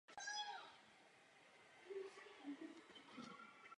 Číst uměl od tří let a údajně již od čtyř psal.